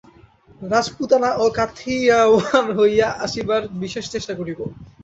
রাজপুতানা ও কাথিয়াওয়াড় হইয়া আসিবার বিশেষ চেষ্টা করিব।